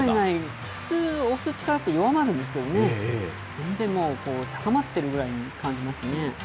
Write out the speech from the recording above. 普通、押す力って弱まるんですけどね、全然もう高まってるぐらいに感じますね。